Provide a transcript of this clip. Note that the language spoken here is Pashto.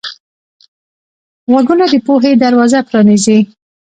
غوږونه د پوهې دروازه پرانیزي